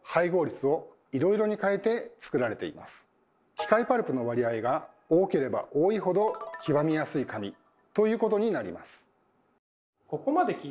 機械パルプの割合が多ければ多いほど黄ばみやすい紙ということになります。